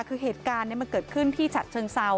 คือเหตุการณ์มันเกิดขึ้นที่ฉะเชิงเซา